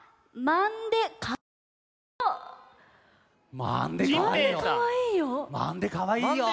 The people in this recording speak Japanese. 「まんでかわいいよ」。